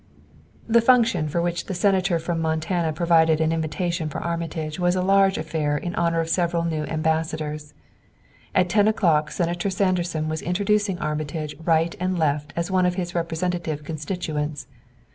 The function for which the senator from Montana provided an invitation for Armitage was a large affair in honor of several new ambassadors. At ten o'clock Senator Sanderson was introducing Armitage right and left as one of his representative constituents.